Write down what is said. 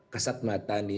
kesat mata nih